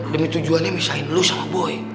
demi tujuannya misahin lu sama boy